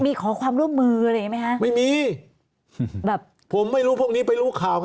มีขอความร่วมมืออะไรไหมคะไม่มีผมไม่รู้พวกนี้ไปรู้ข่าว